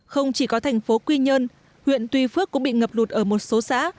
không chỉ có thành phố quy nhơn huyện tuy phước cũng bị ngập lụt ở một số xã